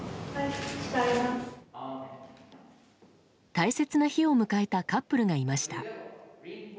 大切な日を迎えたカップルがいました。